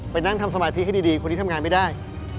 นั่งทำสมาธิให้ดีคนที่ทำงานไม่ได้